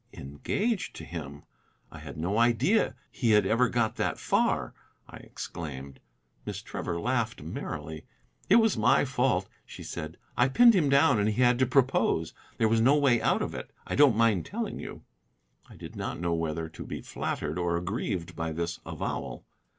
"Engaged to him! I had no idea he ever got that far," I exclaimed. Miss Trevor laughed merrily. "It was my fault," she said; "I pinned him down, and he had to propose. There was no way out of it. I don't mind telling you." I did not know whether to be flattered or aggrieved by this avowal.